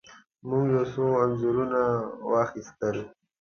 موږ یو څو انځورونه واخیستل.